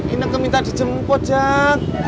ineke minta dijemput jak